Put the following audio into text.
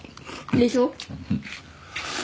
でしょ。